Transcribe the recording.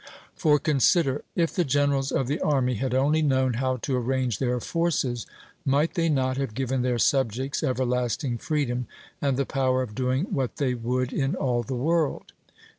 For consider: if the generals of the army had only known how to arrange their forces, might they not have given their subjects everlasting freedom, and the power of doing what they would in all the world?